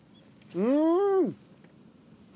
うん！